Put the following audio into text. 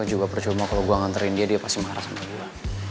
juga percuma kalau gue nganterin dia dia pasti marah sama gue